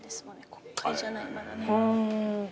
国会じゃないまだね。